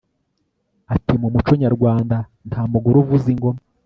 ati mu muco nyarwanda nta mugore uvuza ingoma